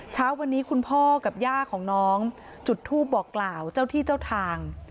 เช้าวันนี้คุณพ่อกับย่าของน้องจุดทูปบอกกล่าวเจ้าที่เจ้าทาง